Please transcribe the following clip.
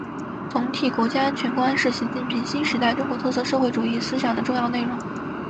总体国家安全观是习近平新时代中国特色社会主义思想的重要内容